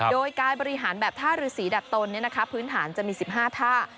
โดยการบริหารแบบท่ารือสีดัดตนพื้นฐานจะมี๑๕ท่า